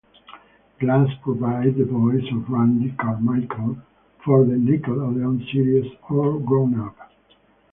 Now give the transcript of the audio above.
Glass provided the voice of Randy Carmichael for the Nickelodeon series All Grown Up!